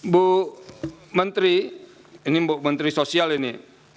bu menteri ini bu menteri sosial ini